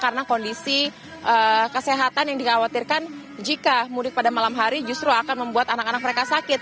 karena kondisi kesehatan yang dikhawatirkan jika mudik pada malam hari justru akan membuat anak anak mereka sakit